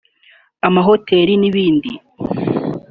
amahoteli n’ibindi